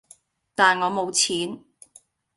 但我冇錢